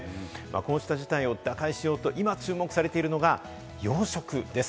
こうした事態を打開しようと今、注目されているのが養殖です。